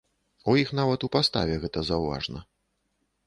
У іх нават у паставе гэта заўважна.